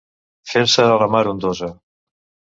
Fer-se a la mar ondosa.